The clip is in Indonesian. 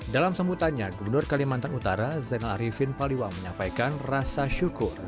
dalam sambutannya gubernur kalimantan utara zainal arifin paliwang menyampaikan rasa syukur